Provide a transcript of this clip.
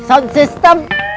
bukan ada sistem